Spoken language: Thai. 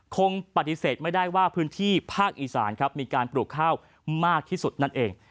คงปฏิเสธไม่ได้ว่าพื้นที่ภาคอีสานครับมีการปลูกข้าวมากที่สุดนั่นเอง